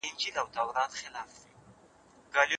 زده کړه انسان له تیارو څخه رڼا ته وباسي.